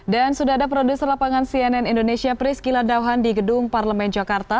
dan sudah ada produser lapangan cnn indonesia priscila dauhan di gedung parlemen jakarta